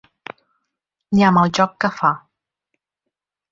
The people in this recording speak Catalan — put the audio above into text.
Ni amb el joc que fa.